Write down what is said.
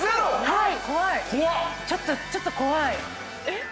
はい。